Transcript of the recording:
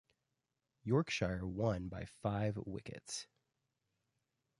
Yorkshire won by five wickets.